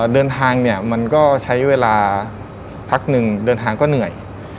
เดินทางเนี่ยมันก็ใช้เวลาพักหนึ่งเดินทางก็เหนื่อย